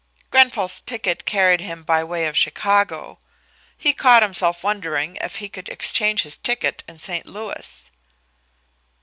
Grenfall's ticket carried him by way of Chicago. He caught himself wondering if he could exchange his ticket in St. Louis.